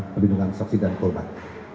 pelindungan saksi dan pobat